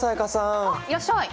あっいらっしゃい！